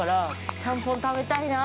ちゃんぽん食べたいな。